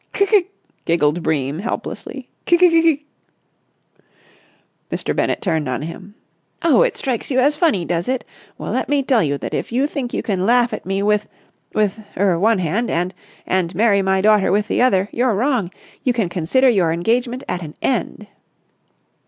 "C'k!" giggled Bream helplessly. "C'k, c'k, c'k!" Mr. Bennett turned on him. "Oh, it strikes you as funny, does it? Well, let me tell you that if you think you can laugh at me with—with—er—with one hand and—and—marry my daughter with the other, you're wrong! You can consider your engagement at an end."